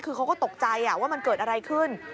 คือเขาก็ตกใจว่ามันเกิดอะไรขึ้น